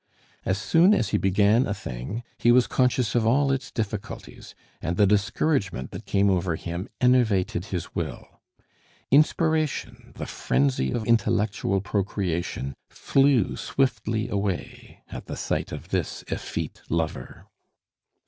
As soon as he began a thing, he was conscious of all its difficulties, and the discouragement that came over him enervated his will. Inspiration, the frenzy of intellectual procreation, flew swiftly away at the sight of this effete lover.